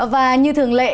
và như thường lệ